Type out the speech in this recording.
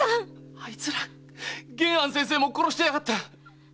あいつら玄庵先生も殺してやがった！